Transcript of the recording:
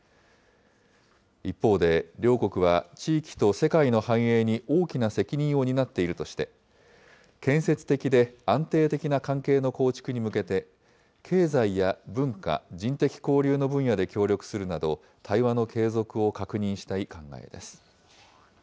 一方で、両国は地域と世界の繁栄に大きな責任を担っているとして、建設的で安定的な関係の構築に向けて、経済や文化、人的交流の分野で協力するなど、対話の継続を確認したい考えです。